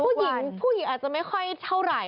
ผู้หญิงผู้หญิงอาจจะไม่ค่อยเท่าไหร่